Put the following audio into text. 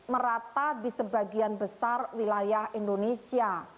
merata di sebagian besar wilayah indonesia